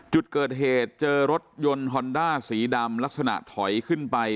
จุดเกิดเหตุเจอรถยนต์ฮอนด้าสีดำลักษณะถอยขึ้นไป